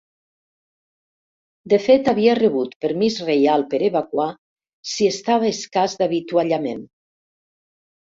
De fet havia rebut permís reial per evacuar si estava escàs d'avituallament.